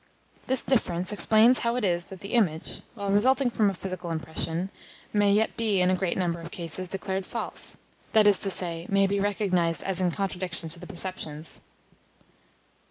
This difference explains how it is that the image, while resulting from a physical impression, may yet be in a great number of cases declared false that is to say, may be recognised as in contradiction to the perceptions.